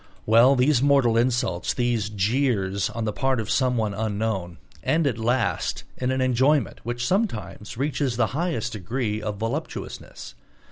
Well, these mortal insults, these jeers on the part of someone unknown, end at last in an enjoyment which sometimes reaches the highest degree of voluptuousness.